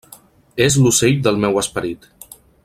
-És l'ocell del meu esperit.